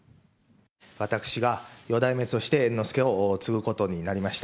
私が四代目として、猿之助を継ぐことになりました。